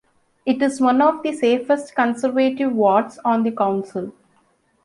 It is one of the safest Conservative wards on the council.